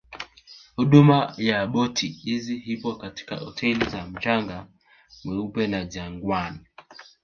Huduma ya boti hizi ipo katika hoteli za mchanga mweupe na Jangwani